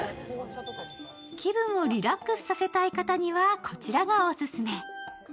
気分をリラックスさせたい方にはこちらがオススメ。